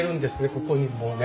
ここにこうね。